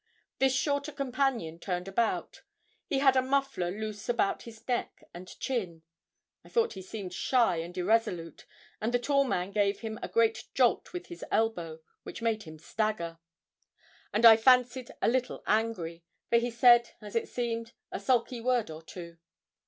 This shorter companion turned about. He had a muffler loose about his neck and chin. I thought he seemed shy and irresolute, and the tall man gave him a great jolt with his elbow, which made him stagger, and I fancied a little angry, for he said, as it seemed, a sulky word or two.